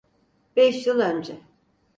Beş yıl önce.